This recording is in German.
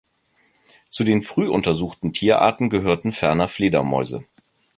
Zu den früh untersuchten Tierarten gehörten ferner Fledermäuse.